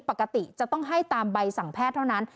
ปกติจะต้องให้ตามใบสั่งแพทย์เท่านั้น